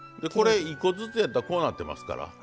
これ１個ずつやったらこうなってますから。